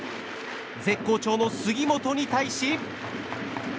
絶好調の杉本に対し。